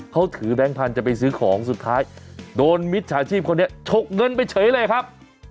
เขาถือแบงค์พันธุ์จะไปซื้อของสุดท้ายโดนมิจฉาชีพคนนี้ฉกเงินไปเฉยเลยครับ